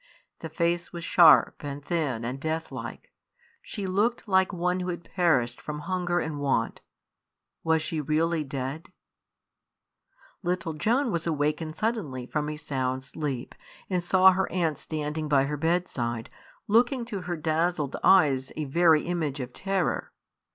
The face was sharp and thin and death like; she looked like one who had perished from hunger and want. Was she really dead? [Illustration: JOAN SAW HER AUNT STANDING BY HER BEDSIDE] Little Joan was awakened suddenly from a sound sleep, and saw her aunt standing by her bedside, looking to her dazzled eyes a very image of terror.